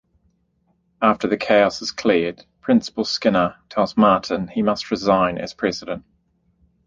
After the chaos has cleared, Principal Skinner tells Martin he must resign as president.